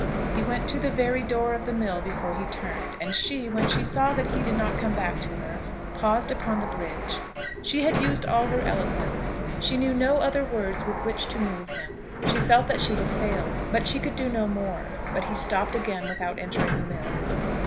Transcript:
He went to the very door of the mill before he turned; and she, when she saw that he did not come back to her, paused upon the bridge. She had used all her eloquence. She knew no other words with which to move him. She felt that she had failed, but she could do no more. But he stopped again without entering the mill.